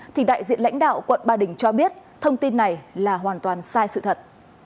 thì đại diện lãnh đạo quận ba đình cho biết thông tin này là hoàn toàn sai sự thật